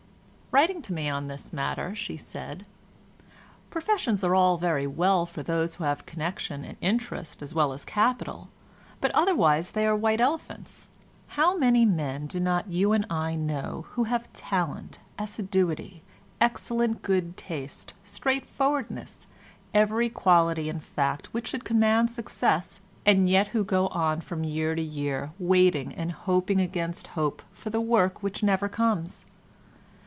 Writing to me on this matter, she said "Professions are all very well for those who have connection and interest as well as capital, but otherwise they are white elephants. How many men do not you and I know who have talent, assiduity, excellent good sense, straightforwardness, every quality in fact which should command success, and who yet go on from year to year waiting and hoping against hope for the work which never comes?